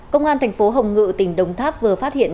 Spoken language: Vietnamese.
công an thành phố hồng ngự tỉnh đồng tháp vừa phát hiện